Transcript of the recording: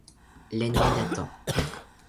L’ennemi l’attend.